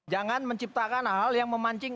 jangan menciptakan hal hal yang memancing